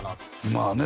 まあね